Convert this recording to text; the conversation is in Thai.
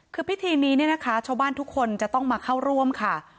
คือพิธีนี้เนี่ยนะคะชาวบ้านทุกคนจะต้องมาเข้าร่วมค่ะ